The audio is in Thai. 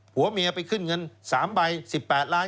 ผัวเมียไปขึ้นเงิน๓ใบ๑๘ล้าน